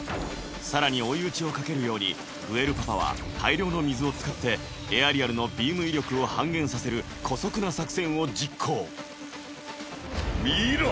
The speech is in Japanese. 更に追い打ちをかけるようにグエルパパは大量の水を使ってエアリアルのビーム威力を半減させるこそくな作戦を実行見ろ。